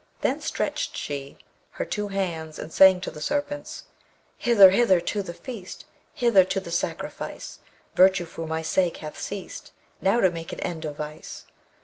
Then stretched she her two hands, and sang to the Serpents: Hither, hither, to the feast! Hither to the sacrifice! Virtue for my sake hath ceased: Now to make an end of Vice!